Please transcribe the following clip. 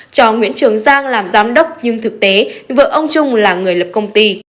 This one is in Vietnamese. cho nguyễn trường giang làm giám đốc nhưng thực tế vợ ông trung là người lập công ty